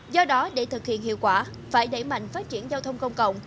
do đó để thực hiện hiệu quả phải đẩy mạnh phát triển giao thông công cộng